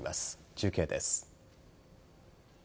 中継です。